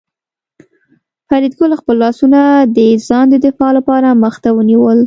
فریدګل خپل لاسونه د ځان د دفاع لپاره مخ ته ونیول